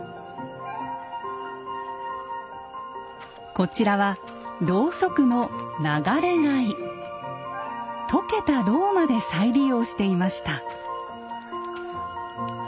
こちらはロウソクの溶けたロウまで再利用していました。